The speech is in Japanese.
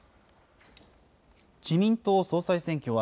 自民党総裁選挙は、